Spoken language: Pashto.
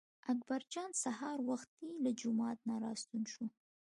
اکبر جان سهار وختي له جومات نه راستون شو.